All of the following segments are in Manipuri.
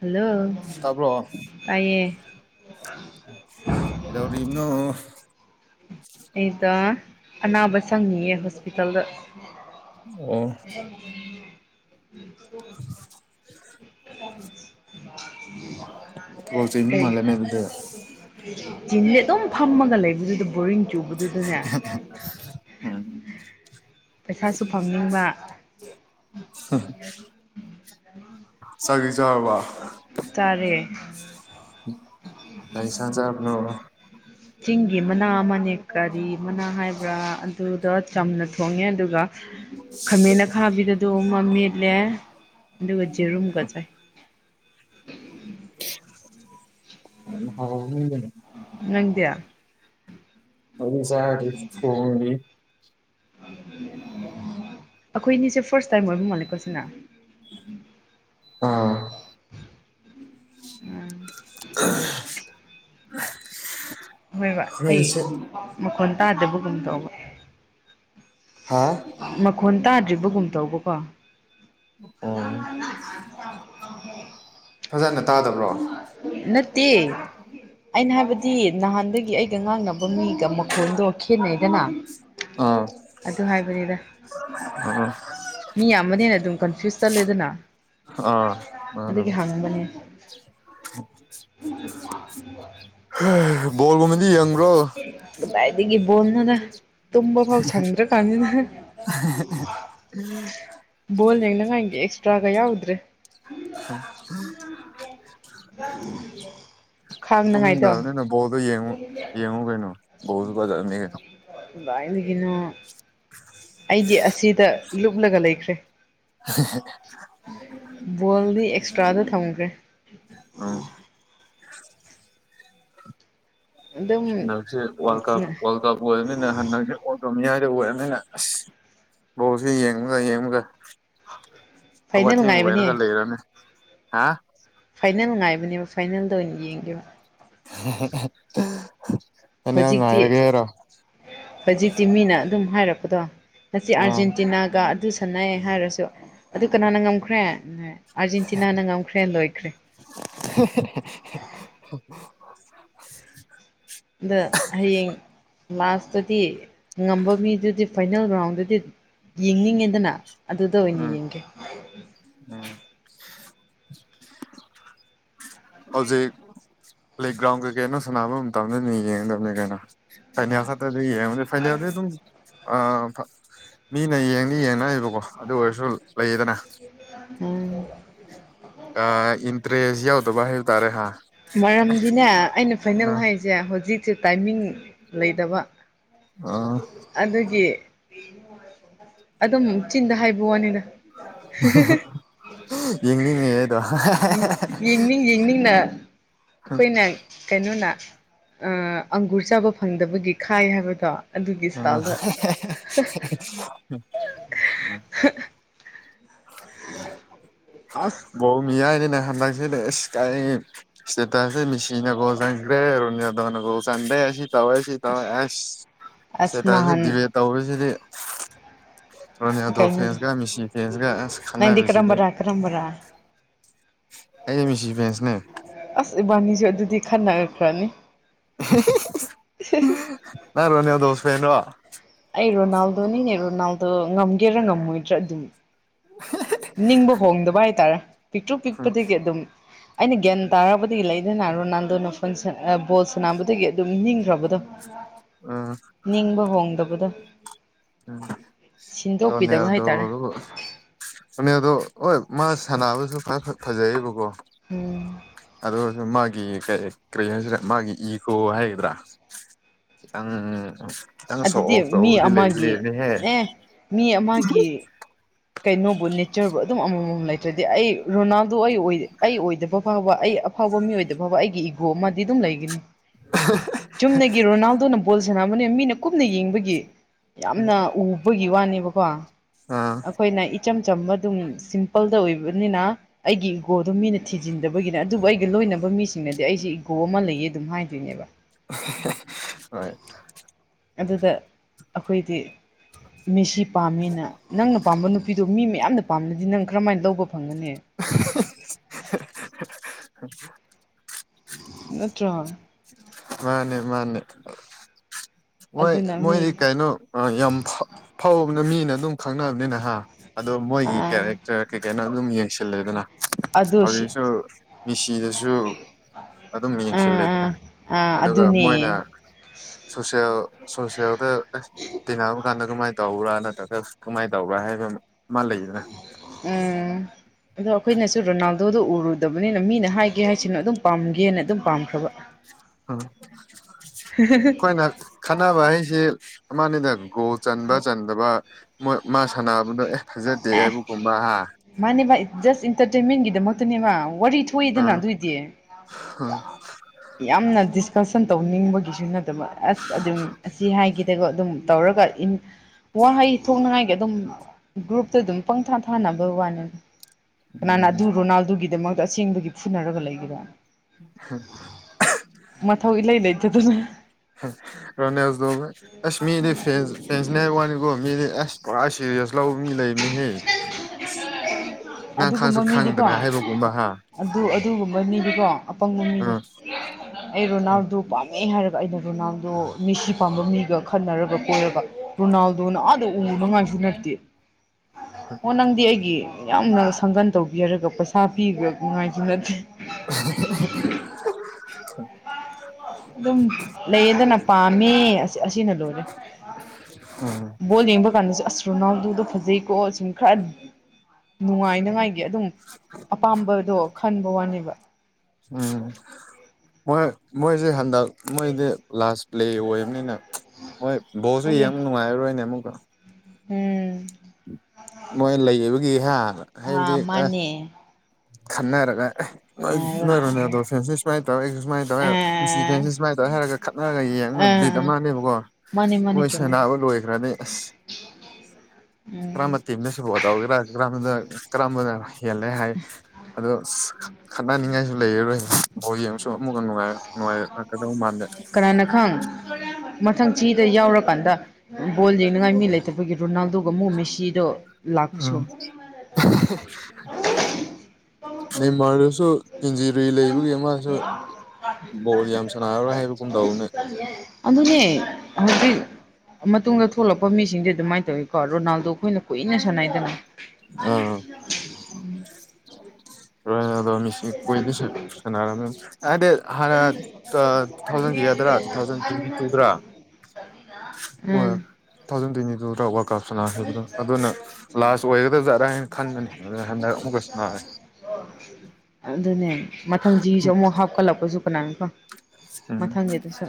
ꯍꯜꯂꯣ ꯇꯕꯔꯣ ꯇꯌꯦ ꯀꯩꯗꯧꯔꯤꯝꯅꯣ ꯑꯩꯗꯣ ꯑꯅꯥꯕ ꯆꯪꯉꯌꯦ ꯍꯣꯁꯄꯤꯇꯥꯜꯗ ꯑꯣ ꯎꯝ [unintelligible] ꯆꯤꯟꯁꯦ ꯑꯗꯨꯝ ꯐꯝꯃꯒ ꯂꯩꯕꯗꯨꯗ ꯕꯣꯔꯤꯡ ꯆꯨꯕꯗꯨꯗꯅꯦ ꯎꯝ ꯄꯩꯁꯥꯁꯨ ꯐꯪꯅꯤꯡꯕ ꯆꯥꯛꯇꯤ ꯆꯥꯔꯕ ꯆꯥꯔꯦ ꯀꯩ ꯏꯟꯁꯡ ꯆꯥꯕꯥꯅꯣ ꯆꯤꯡꯒꯤ ꯃꯅꯥ ꯑꯃꯅꯦ ꯀꯔꯤ ꯃꯅꯥ ꯍꯥꯏꯕ꯭ꯔꯥ ꯑꯗꯨꯗꯣ ꯆꯝꯅ ꯊꯣꯡꯉꯦ ꯑꯗꯨꯒ ꯈꯥꯃꯦꯟ ꯑꯈꯥꯕꯤꯗ ꯑꯗꯨ ꯑꯃ ꯃꯦꯠꯂꯦ ꯑꯗꯨꯒ ꯖꯦꯔꯨꯝꯒ ꯆꯥꯏ ꯍꯥꯎꯒꯅꯤꯗꯅ ꯅꯪꯗꯤ ꯑꯩꯗꯤ ꯆꯥꯗꯔꯤ ꯊꯣꯡꯏ ꯑꯩꯈꯣꯏꯅꯤꯁꯦ ꯐꯥꯔꯁ ꯇꯥꯏꯝ ꯑꯣꯏꯕ ꯃꯥꯜꯂꯦꯀꯣ ꯁꯤꯅ ꯑꯥ ꯑꯥꯍ ꯍꯣꯏꯕ ꯑꯩ ꯃꯈꯣꯟ ꯇꯥꯗꯕꯒꯨꯝ ꯇꯧꯕ ꯍꯥꯥ ꯃꯈꯣꯟ ꯇꯥꯗ꯭ꯔꯤꯕꯒꯨꯝ ꯇꯧꯕꯀꯣ ꯑꯣ [unintelligible] ꯐꯖꯅ ꯇꯥꯗꯕ꯭ꯔꯣ ꯅꯠꯇꯦ ꯑꯩꯅ ꯍꯥꯏꯕꯗꯤ ꯅꯍꯥꯟꯗꯒꯤ ꯑꯩꯒ ꯉꯥꯡꯅꯕ ꯃꯤꯒ ꯃꯈꯣꯟꯗꯣ ꯈꯦꯠꯅꯩꯗꯅ ꯑꯥ ꯑꯗꯨ ꯍꯥꯏꯕꯅꯤꯗ ꯑꯥ ꯃꯤ ꯌꯥꯝꯕꯅꯦꯅ ꯑꯗꯨꯝ ꯀꯟꯐ꯭ꯌꯨꯁ ꯆꯠꯂꯦꯗꯅ ꯑꯗꯨꯒꯤ ꯍꯪꯕꯅꯦ ꯍꯥ ꯀꯗꯥꯏꯗꯤꯒꯤ ꯕꯣꯟꯅꯣꯗ ꯇꯨꯝꯕꯐꯥꯎ ꯁꯪꯗ꯭ꯔꯀꯥꯟꯖꯤꯗ ꯕꯣꯜ ꯌꯦꯡꯅꯉꯥꯏꯒꯤ ꯑꯦꯛꯁꯇ꯭ꯔꯥꯒ ꯌꯥꯎꯗ꯭ꯔꯦ ꯈꯥꯡꯅꯉꯥꯏꯗꯣ [unintelligible] ꯕꯣꯜꯗꯨ ꯌꯦꯡꯉꯨ ꯌꯦꯡꯉꯨ ꯀꯩꯅꯣ ꯕꯣꯜꯁꯨ ꯐꯖꯕꯅꯤ ꯀꯩꯅꯣ [unintelligible] ꯑꯩꯗꯤ ꯑꯁꯤꯗ ꯂꯨꯞꯂꯒ ꯂꯩꯈ꯭ꯔꯦ ꯍꯥꯍꯦ ꯕꯣꯜꯗꯤ ꯑꯦꯛꯁꯇ꯭ꯔꯥꯗ ꯊꯝꯈ꯭ꯔꯦ ꯎꯝ ꯑꯗꯨꯝ ꯍꯟꯗꯛꯁꯦ ꯋꯥꯔꯜ ꯀꯞ ꯋꯥꯔꯜ ꯀꯞ ꯑꯣꯏꯔꯕꯃꯤꯅ ꯍꯟꯗꯛꯁꯦ ꯑꯣꯇꯣꯃꯤꯌꯥꯗ ꯑꯣꯏꯔꯕꯅꯤꯅ ꯑꯁ ꯕꯣꯜꯁꯤ ꯌꯦꯡꯕꯒ ꯌꯦꯡꯕꯒ ꯍꯧꯒꯠ ꯐꯥꯏꯅꯦꯜ ꯊꯦꯡ ꯉꯥꯏꯕꯅꯦ ꯑꯣꯏꯔꯒꯥ ꯂꯩꯔꯕꯅꯤ ꯍꯥ ꯐꯥꯏꯅꯦꯜ ꯅꯨꯡꯉꯥꯏꯕꯅꯦꯕ ꯐꯥꯏꯅꯦꯜꯗ ꯑꯣꯏꯅ ꯌꯦꯡꯒꯦꯕ ꯍꯦ ꯍꯦꯍꯦ ꯍꯥ ꯍꯧꯖꯤꯛꯇꯤ ꯍꯧꯖꯤꯛꯇꯤ ꯃꯤꯅ ꯑꯗꯨꯝ ꯍꯥꯏꯔꯛꯄꯗꯣ ꯉꯁꯤ ꯑꯥ ꯑꯥꯔꯖꯦꯟꯇꯤꯅꯥꯒ ꯑꯗꯨ ꯁꯥꯟꯅꯩ ꯍꯥꯏꯔꯁꯨ ꯑꯗꯨ ꯀꯅꯥꯅ ꯉꯝꯈ꯭ꯔꯦ [unintelligible] ꯑꯥꯔꯖꯦꯟꯇꯤꯅꯥꯅ ꯉꯝꯈ꯭ꯔꯦ ꯂꯣꯏꯈ꯭ꯔꯦ ꯍꯥ ꯍꯥ ꯍꯥ ꯍꯥ ꯑꯗ ꯍꯌꯦꯡ ꯂꯥꯁꯇꯗꯤ ꯉꯝꯕ ꯃꯤꯗꯨꯗꯤ ꯐꯥꯏꯅꯦꯜ ꯔꯥꯎꯟꯗꯗꯤ ꯌꯦꯡꯅꯤꯡꯉꯦꯗꯅ ꯑꯗꯨꯗ ꯑꯣꯏꯅ ꯌꯦꯡꯒꯦ ꯎꯨꯝ ꯍꯧꯖꯤꯛ ꯄ꯭ꯂꯦꯒ꯭ꯔꯥꯎꯟ ꯀꯩꯀꯩꯅꯣ ꯁꯥꯟꯅꯕ ꯃꯇꯝꯗꯅꯦ ꯌꯦꯡꯒꯗꯕꯅꯦ ꯀꯥꯏꯩꯅꯣ ꯐꯥꯏꯅꯦꯜ ꯈꯗꯤ ꯌꯦꯕꯗꯤ ꯐꯥꯏꯅꯦꯜꯗꯤ ꯑꯗꯨꯝ ꯑꯥ ꯐꯥ ꯃꯤꯅ ꯌꯦꯡꯗꯤ ꯌꯦꯡꯅꯩꯕꯀꯣ ꯑꯗꯨ ꯑꯣꯏꯔꯁꯨ ꯂꯩꯌꯦꯗꯅ ꯎꯝ ꯑ ꯏꯟꯇꯔꯦꯁ ꯌꯥꯎꯗꯕ ꯍꯥꯏꯕ ꯇꯥꯔꯦ ꯍꯥ ꯃꯔꯝꯗꯤꯅꯦ ꯑꯩꯅ ꯐꯥꯏꯅꯦꯜ ꯍꯥꯏꯔꯤꯁꯦ ꯍꯧꯖꯤꯛꯁꯦ ꯇꯥꯏꯃꯤꯡ ꯂꯩꯇꯕ ꯑꯥ [inaudible] ꯑꯗꯨꯒꯤ ꯑꯗꯨꯝ ꯆꯤꯟꯗ ꯍꯥꯏꯕ ꯋꯥꯅꯤꯗ ꯍꯥ ꯍꯥ ꯍ ꯌꯦꯡꯅꯤꯡꯉꯦ ꯑꯗꯣ ꯌ‌ꯦꯡꯅꯤꯡ ꯌ‌ꯦꯡꯅꯤꯡꯅꯥ ꯑꯩꯈꯣꯏꯅ ꯀꯩꯅꯣꯅ ꯑ ꯑꯪꯒꯨꯔ ꯆꯥꯕ ꯐꯪꯗꯕꯒꯤ ꯈꯥꯏ ꯍꯥꯏꯕꯗꯣ ꯑꯗꯨꯒꯤ ꯏꯁꯇꯥꯏꯜꯗ [unintelligible] ꯑꯁ [unintelligible] ꯁ‌ꯦꯇꯁꯦ ꯃꯤꯁꯤꯅ ꯒ‌ꯣꯜ ꯆꯟꯈ꯭ꯔꯦ ꯔ‌ꯣꯅꯥꯜꯗ‌ꯣꯅ ꯆꯥꯟꯗ꯭ꯔꯦ ꯁꯤ ꯇꯧꯋ‌ꯦ ꯁꯤ ꯇꯧ ꯑꯁ ꯑꯁ ꯁꯤꯇꯁꯤꯅ ꯅꯍꯥꯟ ꯗꯤꯕꯦꯠ ꯇꯧꯕꯁꯤꯗꯤ ꯔꯣꯅꯥꯜꯗꯣ ꯀꯩꯅꯣꯗ ꯐꯦꯟꯁꯀ ꯃꯤꯁꯤ ꯐꯦꯟꯁꯀ ꯑꯁ ꯈꯠꯅꯁꯤꯗꯤ ꯀꯔꯝꯕ꯭ꯔꯥ ꯑꯩꯗꯤ ꯃꯤꯁꯤ ꯐꯦꯟꯁꯅꯦ ꯑꯁ ꯏꯕꯥꯅꯤꯁꯨ ꯑꯗꯨꯗꯤ ꯈꯟꯅꯈ꯭ꯔꯅꯤ [unintelligible] [unintelligible] ꯅꯪ ꯔꯣꯅꯥꯜꯗ‌ꯣ ꯐ‌ꯦꯟ ꯔ‌ꯣ ꯑꯩ ꯔꯣꯅꯥꯜꯗꯣꯅꯤꯅꯦ ꯔꯣꯅꯥꯜꯗꯣ ꯉꯝꯒꯦꯔꯥ ꯉꯝꯃꯣꯏꯗ꯭ꯔꯥ ꯑꯗꯨꯝ ꯅꯤꯡꯕ ꯍꯣꯡꯗꯕ ꯍꯥꯏꯇꯥꯔꯦ ꯄꯤꯛꯇ꯭ꯔꯨ ꯎꯝ ꯄꯤꯛꯄꯗꯒꯤ ꯑꯗꯨꯝ ꯑꯩꯅ ꯒ꯭ꯌꯥꯟ ꯇꯥꯔꯕꯗꯒꯤ ꯂꯩꯗꯅ ꯔꯣꯅꯥꯜꯗꯣꯅ ꯐꯣꯟ ꯕꯣꯜ ꯁꯅꯕꯗꯒꯤ ꯑꯗꯨꯝ ꯅꯤꯡꯈ꯭ꯔꯕꯗꯣ ꯎꯝ ꯑꯥ ꯅꯤꯡꯕ ꯍꯣꯡꯗꯕꯗ‌ꯣ ꯎꯝ ꯁꯤꯟꯗꯣꯛꯄꯤꯗꯕ ꯍꯥꯏꯇꯥꯔꯦ ꯔꯣꯅ‌ꯦꯜꯗ‌ꯣꯗꯨꯕꯨ ꯍ‌ꯣꯅ‌ꯦꯜꯗ‌ꯣ ꯍꯣꯏ ꯃꯥ ꯁꯥꯟꯅꯕꯁꯨ ꯈꯔ ꯐꯖꯩꯌꯦꯕꯀꯣ ꯎꯝ ꯑꯗꯨ ꯑꯣꯏꯁꯨ ꯃꯥꯒꯤ ꯀ ꯀꯔꯤ ꯍꯥꯏꯁꯤꯔ ꯃꯥꯒꯤ ꯏꯒꯣ ꯍꯥꯏꯒꯗ꯭ꯔꯥ ꯈꯤꯇꯪ ꯈꯤꯇꯪ ꯁꯣ ꯑꯗꯨꯗꯤ ꯑꯣꯐ ꯃꯤ ꯇꯧꯕꯗꯤ ꯂꯩꯗꯤ ꯑꯃꯒꯤ ꯂꯩꯕꯅꯤꯍ‌ꯦ ꯑꯦ ꯃꯤ ꯑꯃꯒꯤ ꯀꯩꯅꯣꯕꯨ ꯅꯦꯆꯔꯕꯨ ꯑꯗꯨꯝ ꯑꯃꯥꯃꯝ ꯂꯩꯇ꯭ꯔꯗꯤ ꯑꯩ ꯔꯣꯅꯥꯜꯗꯣ ꯑꯩ ꯑꯩ ꯑꯣꯏꯗꯕ ꯐꯥꯎꯕ ꯑꯩ ꯑꯐꯥꯎꯕ ꯃꯤ ꯑꯣꯏꯗꯕ ꯐꯥꯎꯕ ꯑꯩꯒꯤ ꯏꯒꯣ ꯑꯃꯗꯤ ꯑꯗꯨꯝ ꯂꯩꯒꯅꯤ ꯆꯨꯝꯅꯒꯤ ꯔꯣꯅꯥꯜꯗꯣꯅ ꯕꯣꯜ ꯁꯅꯥꯕꯅꯤ ꯃꯤꯅ ꯀꯨꯞꯅ ꯌꯦꯡꯕꯒꯤ ꯌꯥꯝꯅ ꯎꯕꯒꯤ ꯋꯥꯅꯦꯕꯀꯣ ꯑꯥ ꯑꯩꯈꯣꯏꯅ ꯏꯆꯝ ꯆꯝꯕ ꯑꯗꯨꯝ ꯁꯤꯝꯄꯜꯗ ꯑꯣꯏꯕꯅꯤꯅ ꯑꯩꯒꯤ ꯏꯒꯣꯗꯣ ꯃꯤꯅ ꯊꯤꯖꯤꯟꯗꯕꯒꯤꯅꯦ ꯑꯗꯨꯕꯨ ꯑꯩꯒ ꯂꯣꯏꯅꯕ ꯃꯤꯁꯤꯡꯅꯗꯤ ꯑꯩꯁꯦ ꯏꯒꯣ ꯑꯃ ꯂꯩꯌꯦ ꯑꯗꯨꯝ ꯍꯥꯏꯗꯣꯏꯅꯦꯕ ꯍꯣꯏ ꯑꯗꯨꯗ ꯑꯩꯈꯣꯏꯗꯤ ꯃꯤꯁꯤ ꯄꯥꯝꯃꯤꯅ ꯅꯪꯅ ꯄꯥꯝꯕ ꯅꯨꯄꯤꯗꯣ ꯃꯤ ꯃꯌꯥꯝꯅ ꯄꯥꯝꯅꯗꯤ ꯅꯪ ꯀꯔꯝꯍꯥꯏꯅ ꯂꯧꯕ ꯐꯪꯒꯅꯤ [unintelligible] ꯅꯠꯇ‍꯭ꯔꯣ ꯃꯥꯅꯦ ꯃꯥꯅꯦ ꯍꯣꯏ ꯑꯗꯨꯅ ꯃꯣꯏꯗꯤ ꯃꯤ ꯀꯩꯅꯣ ꯌꯥꯝ ꯐꯥꯎꯕꯅ ꯃꯤꯅ ꯑꯗꯨꯝ ꯈꯪꯅꯕꯅꯤꯅ ꯍꯥ ꯑꯗꯣ ꯃꯣꯏꯒꯤ ꯑꯥ ꯀꯦꯔꯦꯛꯇꯔ ꯀꯩ ꯀꯩꯅ‌ꯣ ꯑꯗꯨꯝ ꯌꯦꯡꯁꯤꯜꯂꯦꯗꯅ ꯑꯗꯨ ꯁꯤ ꯍꯧꯖꯤꯛꯁꯨ ꯃꯦꯁꯤꯗꯨ ꯁꯨ ꯑꯗꯨꯝ ꯑꯥ ꯌꯦꯡꯁꯤꯂꯦꯗꯅ ꯑꯥ ꯑꯥ ꯑꯗꯨꯒ ꯃꯣꯏꯅ ꯑꯗꯨꯅꯦ ꯁꯣꯁ‌ꯦꯜꯗ ꯇꯤꯟꯅꯕꯥ ꯀꯥꯟꯗ ꯀꯃꯥꯏ ꯇꯧꯕ꯭ꯔꯥ ꯅꯠꯇ꯭ꯔꯒ ꯀꯃꯥꯏꯅ ꯇꯧꯕ꯭ꯔꯥ ꯍꯥꯏꯕ ꯑꯃꯥ ꯎꯝ ꯑꯗꯣ ꯑꯩꯈꯣꯏꯅꯁꯨ ꯔꯣꯅꯥꯜꯗꯣꯗ ꯎꯔꯨꯗꯕꯅꯤꯅ ꯃꯤꯅ ꯍꯥꯏꯒꯦ ꯍꯥꯏꯁꯅꯨ ꯑꯗꯨꯝ ꯄꯥꯝꯒꯦꯅ ꯑꯗꯨꯝ ꯄꯥꯝꯈ꯭ꯔꯕ ꯎꯝ ꯑꯩꯈꯣꯏꯅ ꯈꯟꯅꯕ ꯍꯥꯏꯁꯦ ꯃꯥꯅꯦꯅ ꯒꯣ ꯆꯟꯕ ꯆꯟꯗꯕ ꯃꯣꯏ ꯃꯥ ꯁꯥꯟꯅꯕꯗꯣ ꯑꯦ ꯐꯥꯖꯗꯦ ꯑꯦ ꯍꯥꯌꯕꯥꯒꯨꯝꯕ ꯍꯥ ꯃꯥꯅꯦꯕ ꯖꯨꯁ ꯏꯟꯇꯔꯇꯩꯃꯦꯟꯒꯤꯗꯃꯛꯇꯅꯦꯕ ꯋꯥꯔꯤ ꯁꯣꯏꯗꯅ ꯑ ꯑꯗꯨꯏꯗꯤ ꯌꯥꯝꯅ ꯗꯤꯁꯀꯁꯟ ꯇꯧꯅꯤꯡꯕꯒꯤꯁꯨ ꯅꯠꯇꯦ ꯑꯁ ꯑꯗꯨꯝ ꯑꯁꯤ ꯍꯥꯏꯈꯤꯗꯒꯣ ꯑꯗꯨꯝ ꯇꯧꯔꯒ ꯋꯥꯍꯩ ꯊꯣꯛꯅ ꯍꯥꯏ ꯑꯗꯨꯝ ꯒ꯭ꯔꯨꯞꯇ ꯑꯗꯨꯝ ꯄꯪꯊꯥ ꯊꯥꯅꯕꯩ ꯋꯥꯅꯤ ꯀꯅꯥꯅ ꯎꯝ ꯑꯗꯨ ꯔꯣꯅꯥꯜꯗꯨꯒꯤꯗꯃꯛꯇ ꯑꯁꯦꯡꯕꯒꯤ ꯐꯨꯅꯔꯒ ꯂꯩꯒꯦꯔ ꯍꯝ ꯃꯊꯧ ꯏꯂꯩ ꯂꯩꯇꯗꯨꯅ ꯔꯣ ꯅꯜ ꯗꯣꯕ ꯑꯁ ꯃꯤ ꯐꯖ ꯃꯍꯔꯕꯥꯅꯒ ꯃ ꯑꯁ ꯀꯔꯤꯌꯥꯁ ꯂꯧ ꯃꯤ ꯂꯩꯅꯤꯍꯦ ꯅꯪ ꯈꯥꯡꯁꯨ ꯑꯗꯨꯒꯨꯝꯕ ꯃꯤꯗꯤꯀꯣ ꯈꯪꯗꯅ ꯍꯥꯏꯕꯒꯨꯝꯕ ꯍꯥ ꯑꯗꯨ ꯑꯗꯨꯒꯨꯝꯕ ꯃꯤꯗꯨꯀꯣ ꯑꯄꯪ ꯑꯥ ꯑꯩ ꯔꯣꯅꯥꯜꯗꯣ ꯄꯥꯝꯃꯦ ꯍꯥꯏꯔꯒ ꯑꯩꯅ ꯔꯣꯅꯥꯜꯗꯣ ꯃꯤꯁꯤ ꯄꯥꯝꯕ ꯃꯤꯒ ꯈꯟꯅꯔꯒ ꯀꯣꯏꯔꯒ ꯔꯣꯅꯥꯜꯗꯣꯅ ꯑꯥꯗ ꯎ ꯃꯉꯥꯡꯁꯨ ꯅꯠꯇꯦ ꯑꯣ ꯅꯪꯗꯤ ꯑꯩꯒꯤ ꯌꯥꯝꯅ ꯁꯪꯒꯟ ꯇꯧꯕꯤꯔꯒ ꯄꯩꯁꯥ ꯄꯤꯕ ꯅꯨꯡꯉꯥꯏꯁꯨ ꯅꯠꯇꯦ [unintelligible] ꯑꯗꯨꯝ ꯂꯩꯗꯅ ꯄꯥꯝꯃꯦ ꯑꯁꯤꯅ ꯂꯣꯏꯔꯦ ꯎꯝ ꯕꯣꯜ ꯌꯦꯡꯕ ꯀꯥꯟꯗꯁꯨ ꯑꯁ ꯔꯨꯅꯥꯎꯗꯨꯗ ꯐꯖꯩꯀꯣ ꯁꯨꯝ ꯈꯔ ꯅꯨꯡꯉꯥꯏꯅꯉꯥꯏ ꯑꯗꯨꯝ ꯑꯄꯥꯝꯕꯗꯣ ꯈꯟꯕ ꯋꯥꯅꯦꯕ ꯎꯝ ꯃꯣꯏ ꯃꯣꯏꯁꯦ ꯍꯟꯗꯛ ꯃꯣꯏꯗꯤ ꯂꯥꯁ ꯄ꯭ꯂꯦ ꯑꯣꯏꯕꯅꯤꯅ ꯃꯣꯏ ꯕꯣꯁꯁꯨ ꯍꯣꯏꯌꯦ ꯌꯦꯡ ꯅꯨꯡꯉꯥꯏꯔꯔꯣꯏꯅꯦ ꯑꯃꯨꯛꯀ ꯎꯝ ꯃꯣꯏ ꯂꯩꯕꯒꯤ ꯍꯥꯕ ꯍꯥꯏꯕꯗꯤ ꯑꯥ ꯑ ꯃꯥꯅꯦ ꯈꯟꯅꯔꯒ ꯑꯥ ꯑꯣꯏꯔꯨꯅꯦ ꯑꯗꯣ ꯐꯦꯟꯁꯁꯤ ꯁꯨꯃꯥꯏꯅ ꯇꯧꯋꯦ ꯑꯩ ꯁꯨꯃꯥꯏꯅ ꯇꯧꯋꯦ ꯑꯥ ꯏꯟꯁꯤꯐꯦꯟꯁꯦ ꯁꯨꯃꯥꯏꯅ ꯇꯧꯋ ꯍꯥꯏꯔꯒ ꯈꯠꯅꯔꯒ ꯌꯦꯡꯅ ꯠ ꯑꯥ ꯑꯃꯜꯂꯅꯦꯕꯀꯣ ꯃꯥꯅꯦ ꯃꯥꯅꯦ ꯃꯣꯏ ꯆꯨꯝꯃꯦ ꯁꯅꯥꯕ ꯂꯣꯏꯈ꯭ꯔꯅꯤ ꯑꯁ ꯎꯝ ꯀꯔꯝꯕ ꯇꯤꯅꯁꯨꯕꯣ ꯇꯧꯒꯦꯔꯥ ꯀꯔꯝꯕ ꯀꯔꯝꯕꯅ ꯍꯦꯜꯂꯦ ꯍꯥꯏ ꯑꯗꯣ ꯈꯠꯅꯅꯤꯡꯉꯥꯏꯁꯨ ꯂꯩꯔꯔꯣꯏ ꯕꯣꯜ ꯌꯦꯡ ꯑꯃꯨꯛꯀ ꯅꯨꯡꯉꯥꯏ ꯅꯨꯡꯉꯥꯏꯗꯧ ꯃꯥꯟꯗꯦ ꯀꯅꯥꯅ ꯈꯪ ꯃꯊꯪ ꯆꯍꯤꯗ ꯌꯥꯎꯔꯀꯥꯟꯗ ꯕꯣꯜ ꯌꯦꯡꯅꯉꯥꯏ ꯃꯤ ꯂꯩꯇꯕꯒꯤ ꯔꯣꯅꯥꯜꯗꯣ ꯑꯗꯨꯒ ꯑꯃꯨ ꯃꯦꯁꯤꯗꯣ ꯂꯥꯛꯄꯁꯨꯨ [unintelligible] ꯁꯨ ꯆ ꯕꯣꯜ ꯌꯥꯝ ꯁꯥꯟꯅꯔꯔꯣꯏ ꯍꯥꯏꯕꯒꯨꯝ ꯇꯧꯕꯅꯦ [unintelligible] ꯑꯗꯨꯅꯦ ꯍꯧꯖꯤꯛ ꯃꯇꯨꯡꯗ ꯊꯣꯛꯂꯛꯄ ꯃꯤꯁꯤꯡꯗꯤ ꯑꯗꯨꯃꯥꯏꯅ ꯇꯧꯏꯀꯣ ꯔꯣꯅꯥꯜꯗꯣ ꯑꯩꯈꯣꯏꯅ ꯀꯨꯏꯅ ꯁꯥꯟꯅꯩꯗꯅꯥ ꯑꯥ ꯔꯣꯅꯥꯜꯗꯣ ꯃꯦꯁꯤ ꯈꯣꯏꯗꯤ ꯁꯥꯟꯅꯔꯃꯦ ꯍꯥꯏꯗꯤ ꯍꯥꯟꯅ ꯇꯨ ꯊꯥꯎꯖꯟꯒꯤ ꯌꯥꯗ꯭ꯔꯥ ꯇꯨ ꯊꯥꯎꯖꯟ ꯇ꯭ꯋꯦꯟꯇꯤ ꯇꯨꯗ꯭ꯔꯥ ꯎꯝ ꯊꯖꯟ ꯇ꯭ꯨꯋꯟꯇꯤꯇꯨꯗ ꯋꯥꯜ ꯀꯞ ꯁꯥꯟꯅꯈꯤꯕꯗꯣ ꯑꯗꯨꯅ ꯂꯥꯁ ꯑꯣꯏꯣꯏꯒꯗꯕꯖꯥꯔꯥ ꯍꯥꯏꯅ ꯈꯟꯕꯅꯤ ꯑꯗꯨꯅ ꯍꯟꯗꯛ ꯑꯃꯨꯛꯀꯁꯨ ꯁꯅꯔꯦ ꯑꯗꯨꯅꯦ ꯃꯊꯪ ꯆꯍꯤꯁꯨ ꯑꯃꯨꯛ ꯍꯥꯞꯀꯠꯂꯛꯄꯁꯨ ꯀꯅꯥꯅꯀꯣ ꯎꯝ ꯃꯊꯪꯒꯤ ꯑꯗꯨꯁꯨ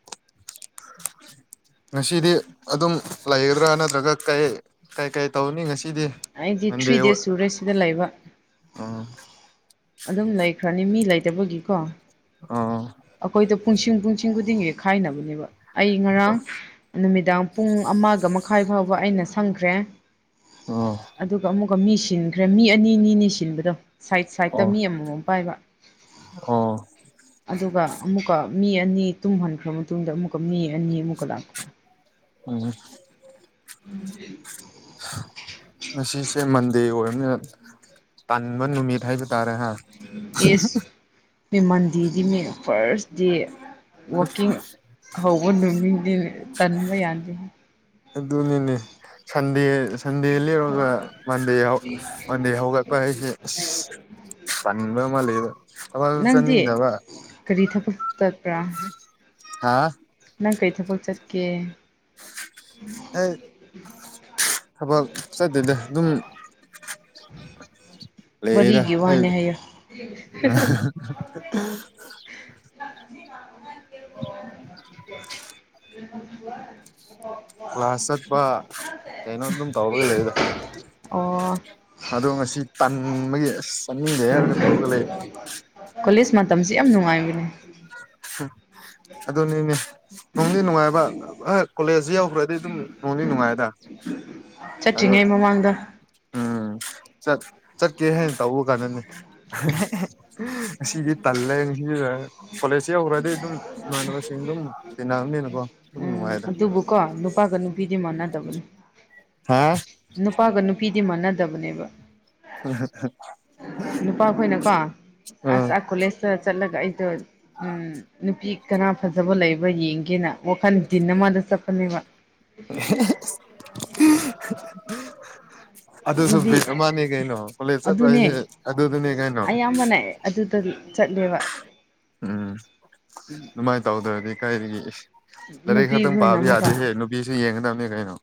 [inaudible] ꯉꯁꯤꯗꯤ ꯑꯗꯨꯝ ꯂꯩꯒꯗ꯭ꯔꯥ, ꯅꯠꯇ꯭ꯔꯒ ꯀꯩ ꯀꯩ ꯀꯩ ꯇꯧꯅꯤ ꯉꯁꯤꯗꯤ? ꯑꯩꯗꯤ ꯊ꯭ꯔꯤ ꯗꯦꯖ ꯁꯨꯔꯦ ꯁꯤꯗ ꯂꯩꯕ꯫ ꯑꯥ ꯑꯗꯨꯝ ꯂꯩꯈ꯭ꯔꯅꯤ ꯃꯤ ꯂꯩꯇꯕꯒꯤꯀꯣ꯫ ꯑꯣ ꯑꯩꯈꯣꯏꯗꯣ ꯄꯨꯡꯁꯤꯡ ꯄꯨꯡꯁꯤꯡ ꯈꯨꯗꯤꯡ ꯈꯥꯏꯅꯕꯅꯦꯕ ꯑꯩ ꯉꯔꯥꯡ ꯅꯨꯃꯤꯗꯥꯡ ꯄꯨꯡ ꯑꯃꯒ ꯃꯈꯥꯏ ꯐꯥꯎꯕ ꯑꯩꯅ ꯁꯪꯈ꯭ꯔꯦ꯫ ꯑꯣ ꯑꯗꯨꯒ ꯑꯃꯨꯛꯀ ꯃꯤ ꯁꯤꯟꯈ꯭ꯔꯦ ꯃꯤ ꯑꯅꯤ ꯅꯤꯅꯤꯅꯦ ꯁꯤꯟꯕꯗꯣ ꯁꯥꯏꯠ ꯁꯥꯏꯗꯠꯇ ꯑꯣ ꯃꯤ ꯑꯃꯃꯝ ꯄꯥꯏꯕ꯫ ꯑꯣ ꯑꯗꯨꯒ ꯑꯃꯨꯛꯀ ꯃꯤ ꯑꯅꯤ ꯇꯨꯝꯍꯟꯈ꯭ꯔ ꯃꯇꯨꯡꯗ ꯑꯃꯨꯛꯀ ꯃꯤ ꯑꯅꯤ ꯑꯃꯨꯛꯀ ꯂꯥꯛꯄ꯫ [unintelligible] [unintelligible] ꯉꯁꯤꯁꯦ ꯃꯟꯗꯦ ꯑꯣꯏꯔꯃꯤꯅ ꯇꯥꯟꯕ ꯅꯨꯃꯤꯠ ꯍꯥꯏꯕ ꯇꯥꯔꯦ ꯍꯥ꯫ ꯏꯁ ꯃꯤ ꯃꯟꯗꯦꯗꯤ ꯃꯤ ꯐꯔꯁ ꯗꯦ꯫ ꯋꯥꯛꯀꯤꯡ ꯍꯧꯕ ꯅꯨꯃꯤꯡꯅꯤꯅꯦ ꯇꯟꯕ ꯌꯥꯗꯦ꯫ ꯑꯗꯨꯅꯤꯅꯦ ꯁꯟꯗꯦ ꯁꯟꯗꯦ ꯂꯦꯞꯔꯒ ꯃꯟꯗꯦ ꯃꯟꯗꯦ ꯍꯧꯒꯠꯄ ꯍꯥꯏꯁꯦ ꯇꯟꯕ ꯑꯃ ꯂꯩꯕ ꯊꯕꯛꯁꯨ ꯅꯪꯗꯤ ꯆꯠꯅꯤꯡꯗꯕ꯫ ꯀꯔꯤ ꯊꯕꯛ ꯆꯠꯄ꯭ꯔꯥ? ꯍꯥ ꯅꯪ ꯀꯩ ꯊꯕꯛ ꯆꯠꯀꯦ? ꯑꯩ ꯊꯕꯛ ꯆꯠꯗꯦꯗꯦ ꯑꯗꯨꯝ ꯂꯩꯌꯦꯗ ꯋꯥꯔꯤꯒꯤ ꯋꯥꯅꯦ ꯍꯥꯏꯌꯣ [unintelligible] [inaudible] ꯀ꯭ꯂꯥꯁ ꯆꯠꯄ ꯀꯩꯅꯣ ꯑꯗꯨꯝ ꯇꯧꯔꯒ ꯂꯩꯌꯦꯗ꯫ ꯑꯣ ꯑꯗꯣ ꯉꯁꯤ ꯇꯥꯟꯕꯒꯤ ꯑꯁ ꯆꯠꯅꯤꯡꯗꯦ ꯍꯥꯏꯔꯒ ꯇꯧꯔꯒ ꯂꯩ꯫ ꯀꯣꯂꯦꯖ ꯃꯇꯝꯁꯤ ꯌꯥꯝ ꯅꯨꯡꯉꯥꯏꯕꯅꯦ꯫ ꯑꯗꯨꯅꯤꯅꯦ꯫ ꯅꯨꯡꯗꯤ ꯅꯨꯡꯉꯥꯏꯕ ꯀꯣꯂꯦꯖꯁꯤ ꯌꯧꯈ꯭ꯔꯗꯤ ꯑꯗꯨꯝ ꯅꯨꯡꯗꯤ ꯅꯨꯡꯉꯥꯏꯗ꯫ ꯑꯗꯣ ꯆꯠꯇ꯭ꯔꯤꯉꯩ ꯃꯃꯥꯡꯗ꯫ ꯎꯝ ꯆꯠ ꯆꯠꯀꯦ ꯍꯥꯏꯅ ꯇꯧꯕ ꯀꯥꯟꯗꯅꯤ꯫ ꯉꯁꯤꯗꯤ ꯇꯜꯂꯦ ꯉꯁꯤ [unintelligible] ꯑꯗꯨꯝ ꯇꯤꯟꯅꯕꯅꯤꯅꯀꯣ ꯑꯗꯨꯝ ꯎꯝ ꯅꯨꯡꯉꯥꯏꯗ ꯑꯗꯨꯕꯨꯀꯣ ꯅꯨ ꯅꯨꯄꯥꯒ ꯅꯨꯄꯤꯗꯤ ꯃꯅꯗꯕꯅꯤ꯫ ꯍꯥꯥ ꯅꯨꯄꯥꯒ ꯅꯨꯄꯤꯗꯤ ꯃꯥꯟꯅꯗꯕꯅꯦꯕ꯫ ꯅꯨꯄꯥꯈꯣꯏꯅꯀꯣ ꯑꯁ ꯎꯝ ꯑꯥ ꯀꯣꯂꯦꯖꯇ ꯆꯠꯂꯒ ꯑꯩꯗꯣ ꯎꯝ ꯅꯨꯄꯤ ꯀꯅꯥ ꯐꯖꯕ ꯂꯩꯕꯥ ꯌꯦꯡꯒꯦꯅ ꯋꯥꯈꯜ ꯇꯤꯟ ꯑꯃꯗ ꯆꯠꯄꯅꯦꯕ꯫ [unintelligible] ꯑꯗꯨꯁꯨ ꯕꯤꯠ ꯅꯨꯄꯤ ꯃꯥꯅꯦ ꯀꯩꯅꯣ ꯀꯣꯂꯦꯖ ꯆꯠꯄ ꯍꯥꯏꯁꯦ ꯑꯗꯨꯅꯦ ꯑꯗꯨꯗꯨꯅꯦ ꯀꯩꯅꯣ꯫ [unintelligible] ꯑꯗꯨꯗ ꯆꯠꯂꯦꯕ꯫ ꯎꯝ ꯑꯗꯨꯃꯥꯏꯅ ꯇꯧꯗ꯭ꯔꯗꯤ ꯀꯥꯏꯗꯒꯤ ꯂꯥꯏꯔꯤꯛ ꯈꯛꯇꯪ ꯅꯨꯄꯤꯈꯣꯏꯅ ꯄꯥꯕ ꯑꯃꯨꯛꯀ ꯌꯥꯗꯦꯍꯦ ꯄꯤꯁꯨ ꯌꯦꯡꯒꯗꯕꯅꯦ ꯀꯩꯅꯣ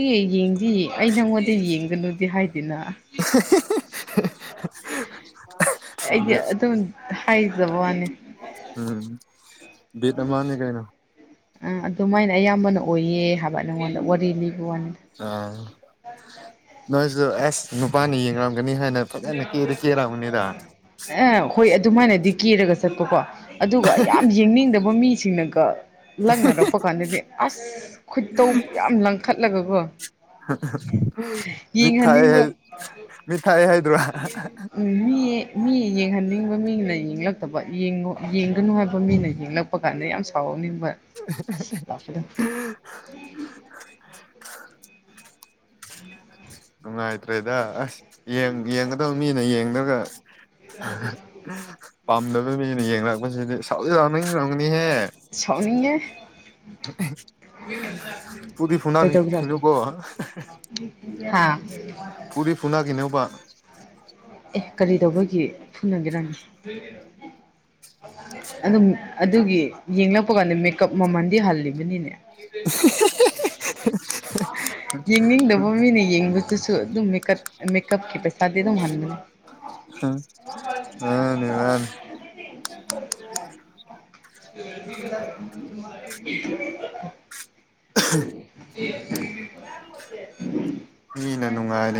[unintelligible] ꯌꯦꯡꯗꯤ ꯑꯩ ꯅꯪꯉꯣꯟꯗ ꯌꯦꯡꯒꯅꯨꯗꯤ ꯍꯥꯏꯗꯦꯅ ꯑꯍꯥ ꯍꯥ ꯍꯥ ꯍꯥ ꯍꯥ ꯑꯩꯗꯤ ꯑꯗꯨꯝ ꯍꯥꯏꯖꯕ ꯋꯥꯅꯤ ꯎꯝ ꯕꯤꯠ ꯑꯃꯥꯅꯤ ꯀꯩꯅꯣ ꯑꯥ ꯑꯗꯨꯃꯥꯏꯅ ꯑꯌꯥꯝꯕꯅ ꯑꯣꯏꯌꯦ ꯍꯥꯏꯕ ꯅꯉꯣꯟꯗ ꯋꯥꯔꯤ ꯂꯤꯕ ꯋꯥꯅꯤꯗ ꯑꯥ ꯅꯣꯏꯁꯨ ꯑꯦꯁ ꯅꯨꯄꯥꯅ ꯌꯦꯡꯔꯝꯒꯅꯤ ꯍꯥꯏꯅ ꯐꯖꯅ ꯀꯦꯗꯤ ꯀꯦꯔꯝꯒꯥꯅꯤꯗ ꯑ ꯍꯣꯏ ꯑꯗꯨꯃꯥꯏꯅꯗꯤ ꯀꯦꯔꯒ ꯆꯠꯄꯀꯣ ꯑꯗꯨꯒ ꯌꯥꯝ ꯌꯦꯡꯅꯤꯡꯗꯕ ꯃꯤꯁꯤꯡꯅꯒ ꯂꯪꯅꯔꯛꯄ ꯀꯥꯟꯗꯗꯤ ꯑꯁ ꯈꯨꯠꯇꯧ ꯌꯥꯝ ꯂꯪꯈꯠꯂꯒꯀꯣ ꯍ ꯍꯥ ꯃꯤꯊꯥꯏ ꯍ ꯌꯦꯡꯍꯟꯅꯤꯡꯕ ꯃꯤꯊꯥꯏꯑꯦ ꯍꯥꯏꯗ꯭ꯔꯣ ꯎꯨ ꯃꯤꯌꯦ ꯃꯤ ꯃꯤ ꯌꯦꯡꯍꯟꯅꯤꯡꯕ ꯃꯤꯅ ꯌꯦꯡꯂꯛꯇꯕ ꯌꯦꯡꯉꯨ ꯌꯦꯡꯒꯅꯨ ꯍꯥꯏꯕ ꯃꯤꯅ ꯌꯦꯡꯂꯛꯄ ꯀꯥꯟꯗ ꯌꯥꯝ ꯁꯥꯎꯔꯛꯅꯤꯡꯕ ꯑꯥꯍꯥ ꯑꯍ ꯑꯍ ꯍꯥ [inaudible] ꯅꯨꯡꯉꯥꯏꯇ꯭ꯔꯦꯗ ꯑꯁ ꯌꯦꯡ ꯌꯦꯡꯒꯗꯕ ꯃꯤꯅ ꯌꯦꯡꯗ꯭ꯔꯒ ꯑꯍꯥ ꯍꯥ ꯄꯥꯝꯗꯕ ꯃꯤꯅ ꯌꯦꯡꯔꯛꯄꯁꯤꯗꯤ ꯁꯥꯎꯗꯤ ꯁꯥꯎꯅꯤꯡꯔꯝꯒꯅꯤꯍꯦ ꯁꯥꯎꯅꯤꯡꯉꯦ ꯑꯍꯥ ꯍꯥ ꯐꯨꯗꯤ ꯐꯨꯅꯥꯈꯤꯅꯨꯀꯣ ꯍꯥꯥ ꯐꯨꯗꯤ ꯐꯨꯅꯈꯤꯅꯨꯕ ꯑꯦ ꯀꯔꯤ ꯇꯧꯕꯒꯤ ꯐꯨꯅꯒꯦꯔꯅꯦ ꯑꯗꯨꯝ ꯑꯗꯨꯒꯤ ꯌꯦꯡꯂꯛꯄ ꯀꯥꯟꯗ ꯃꯦꯀꯞ ꯃꯃꯜꯗꯤ ꯍꯜꯂꯤꯕꯅꯤꯅꯦ ꯑꯁ ꯍ ꯍ ꯍꯥ ꯌꯦꯡꯅꯤꯡꯗꯕ ꯃꯤꯅ ꯌꯦꯡꯕꯗꯨꯁꯨ ꯑꯗꯨꯝ ꯃꯦꯀꯠ ꯃꯦꯀꯞꯀꯤ ꯄꯩꯁꯥꯗꯤ ꯑꯗꯨꯝ ꯍꯟꯕꯅꯤ ꯍꯥ [unintelligible] [unintelligible] ꯍꯥ [unintelligible] ꯃꯤꯅ ꯅꯨꯡꯉꯥꯏꯅ